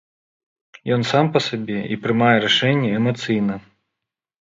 Ён сам па сабе і прымае рашэнні эмацыйна.